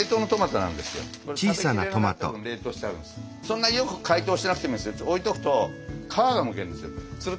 そんなによく解凍してなくても置いとくと皮がむけるんですよツルッて。